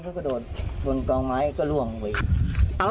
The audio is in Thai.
พี่กระดวดฝันกลางไว้ก็ร่วม